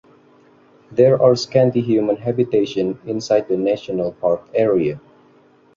There are scanty human habitation inside the National park area.